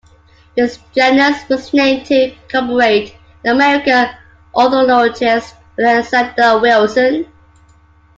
This genus was named to commemorate the American ornithologist Alexander Wilson.